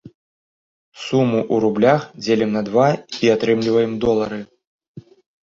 Суму ў рублях дзелім на два і атрымліваем долары.